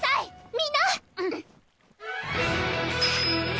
みんな！